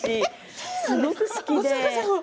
すごく好きで。